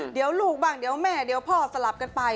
เดี๋ยวลูกบ้างเดี๋ยวแม่เดี๋ยวพ่อสลับกันไป